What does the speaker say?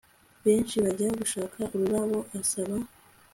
Benshi bajya gushaka ururabo asaba